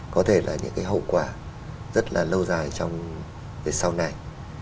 có thể là những cái hậu quả rất là lâu dài trong việc sau này